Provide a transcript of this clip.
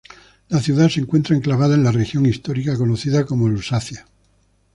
La ciudad se encuentra enclavada en la región histórica conocida como Lusacia.